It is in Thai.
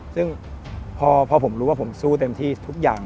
ซึ่งพอผมรู้ว่าผมสู้เต็มที่ทุกอย่าง